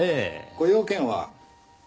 ご用件は？